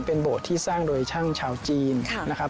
เป็นโบสถ์ที่สร้างโดยช่างชาวจีนนะครับ